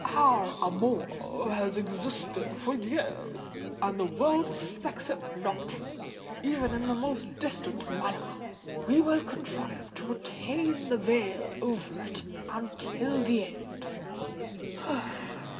Our amour has existed for years—and the world suspects it not, even in the most distant manner:—we will contrive to retain the veil over it until the end."